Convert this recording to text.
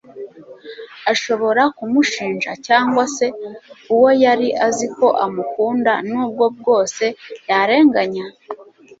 Ashobora kumushinja, cyangwa se, uwo yari azi ko amukunda nubwo bwose, yarenganya?